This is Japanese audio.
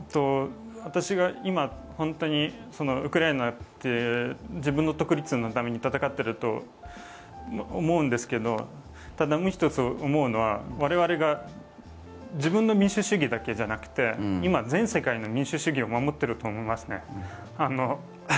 私が今本当にウクライナという自分の独立のために戦っていると思うんですがただ１つ思うのは我々が自分の民主主義だけじゃなくて今、全世界の民主主義を守っていると思いますね。